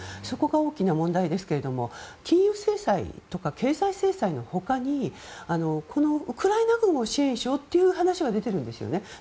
そこが大きな問題ですが金融制裁とか経済制裁のほかにこのウクライナ軍を支援しようという話は出てるんですよね。